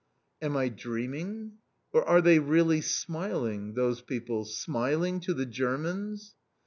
Am I dreaming? Or are they really smiling, those people, _smiling to the Germans!